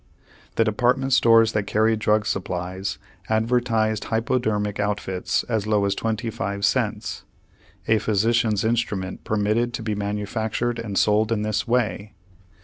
The department stores that carried drug supplies advertised hypodermic outfits as low as twenty five cents. A physician's instrument permitted to be manufactured and sold in this way!